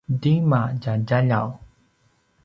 tima tja djaljaw?